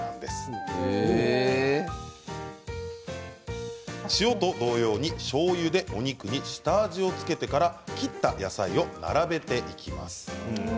お塩と同様に、しょうゆでお肉に下味を付けてから切った野菜を並べていきます。